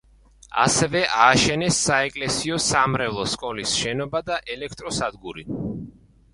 ასევე ააშენეს საეკლესიო-სამრევლო სკოლის შენობა და ელექტროსადგური.